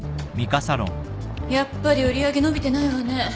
やっぱり売り上げ伸びてないわね。